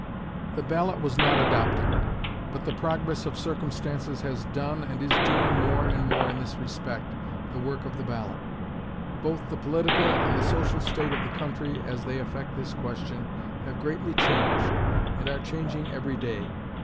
"The ballot was not adopted; but the progress of circumstances has done and is doing more and more, in this respect, the work of the ballot. Both the political and the social state of the country, as they affect this question, have greatly changed, and are changing every day.